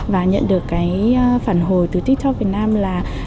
và nhận được cái phản hồi từ tiktok việt nam là